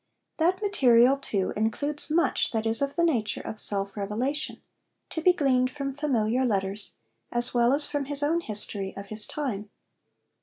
That material, too, includes much that is of the nature of self revelation, to be gleaned from familiar letters, as well as from his own history of his time.